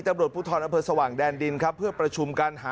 ตำรวจผู้ทรอบภัยสว่างแดนดินเพื่อประชุมการหารือกัน